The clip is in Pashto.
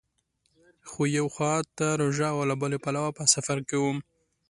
خو یوې خوا ته روژه او له بله پلوه په سفر کې وم.